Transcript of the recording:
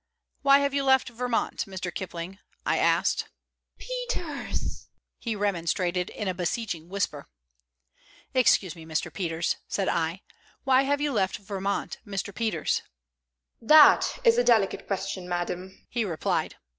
"Why have you left Vermont, Mr. Kipling?" I asked. "Peters!" he remonstrated, in a beseeching whisper. "Excuse me, Mr. Peters," said I. "Why have you left Vermont, Mr. Peters?" "That is a delicate question, madam," he replied.